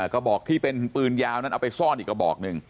กระบอกที่เป็นปืนยาวนั้นเอาไปซ่อนอีกกระบอกหนึ่ง